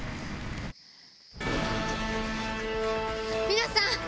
皆さん！